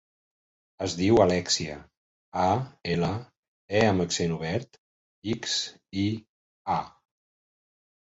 Es diu Alèxia: a, ela, e amb accent obert, ics, i, a.